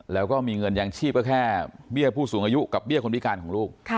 แล้วก็มีเงินยังชีพก็แค่เบี้ยผู้สูงอายุกับเบี้ยคนพิการของลูก